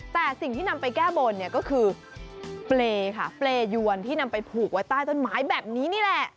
แต่สิ่งที่นำไปแก้บนก็คือเปลยวนที่นำไปผูกไว้ใต้ต้นไม้แบบนี้นี่แหละ